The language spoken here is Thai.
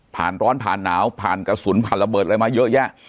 ร้อนผ่านหนาวผ่านกระสุนผ่านระเบิดอะไรมาเยอะแยะ